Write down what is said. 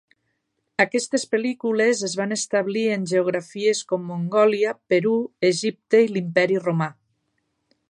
Aquestes pel·lícules es van establir en geografies com Mongòlia, Perú, Egipte i l'Imperi Romà.